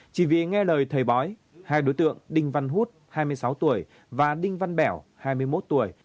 chỉ vì nghe lời thầy bói hai đối tượng đinh văn hút hai mươi sáu tuổi và đinh văn bẻo hai mươi một tuổi